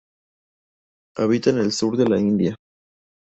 Habita en el Sur de la India.